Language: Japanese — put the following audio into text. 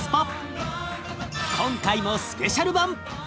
今回もスペシャル版。